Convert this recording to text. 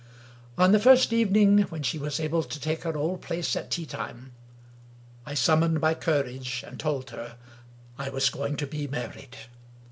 On the first evening when she was able to take her old place at tea time, I summoned my courage, and told her I was going to be married.